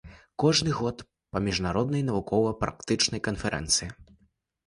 Кожны год па міжнароднай навукова-практычнай канферэнцыі.